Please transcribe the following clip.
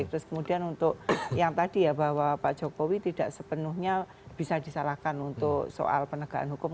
terus kemudian untuk yang tadi ya bahwa pak jokowi tidak sepenuhnya bisa disalahkan untuk soal penegakan hukum